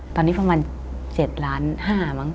ตอนนี้ประมาณ๗ล้าน๕มั้ง